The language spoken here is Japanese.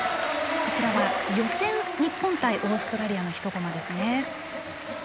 こちらは予選日本対オーストラリアの一こまですね。